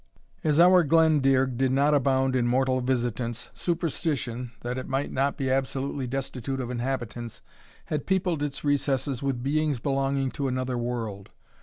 As our Glendearg did not abound in mortal visitants, superstition, that it might not be absolutely destitute of inhabitants, had peopled its recesses with beings belonging to another world.